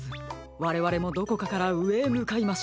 われわれもどこかからうえへむかいましょう。